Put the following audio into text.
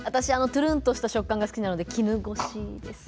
ぷるんとした食感が好きなので絹ごしです。